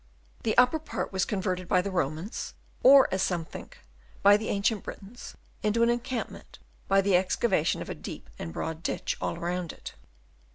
The upper part was converted by the Romans, or, as some think, by the ancient Britons, into an encampment, by the excavation of a deep and broad ditch all round it.